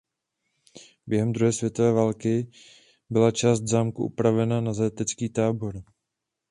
Během druhé světové války byla část zámku upravena na zajatecký tábor.